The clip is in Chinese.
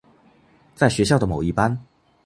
在学校的某一班。